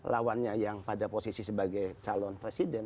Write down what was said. lawannya yang pada posisi sebagai calon presiden